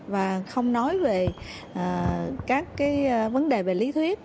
và không nói về các vấn đề về lý thuyết